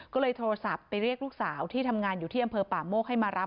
ก็เลยโทรศัพท์ไปเรียกลูกสาวที่ทำงานอยู่ที่อำเภอป่าโมกให้มารับ